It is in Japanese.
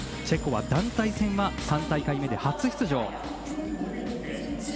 チェコは団体戦は３大会目で初出場。